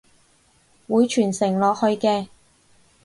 會傳承落去嘅！